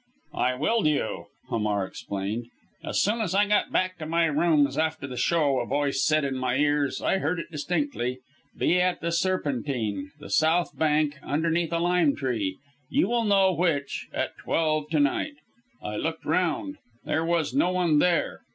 "I willed you," Hamar explained; "as soon as I got back to my rooms after the Show, a voice said in my ears I heard it distinctly 'Be at the Serpentine the south bank underneath a lime tree you will know which at twelve to night.' I looked round there was no one there.